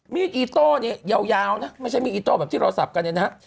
มีดอีโต้เนี่ยยาวนะไม่ใช่มีดอิโต้แบบที่เราสับกันเนี่ยนะฮะ